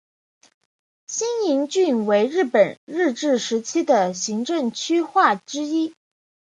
新营郡为台湾日治时期的行政区划之一。